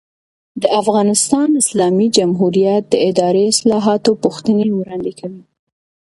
د افغانستان اسلامي جمهوریت د اداري اصلاحاتو پوښتنې وړاندې کوي.